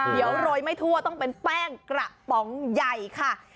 เดี๋ยวโรยไม่ทั่วต้องเป็นแป้งกระป๋องใหญ่ค่ะ